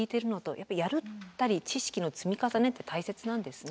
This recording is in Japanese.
やっぱりやったり知識の積み重ねって大切なんですね。